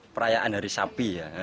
perayaan hari sapi ya